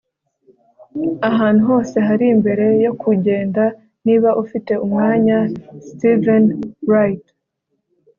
ahantu hose harimbere yo kugenda niba ufite umwanya. - steven wright